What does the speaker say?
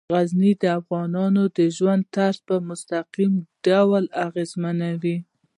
غزني د افغانانو د ژوند طرز په مستقیم ډول ډیر اغېزمنوي.